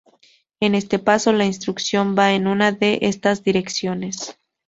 En este paso, la instrucción va en una de estas direcciones.